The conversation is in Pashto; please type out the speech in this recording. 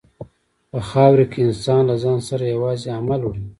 په خاوره کې انسان له ځان سره یوازې عمل وړي.